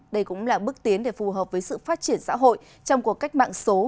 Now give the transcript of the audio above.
đây cũng là bước tiến để phù hợp với sự phát triển xã hội trong cuộc cách mạng số